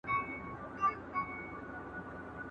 ¬ تر څو چي رشتيا راځي، درواغو به کلي وران کړي وي.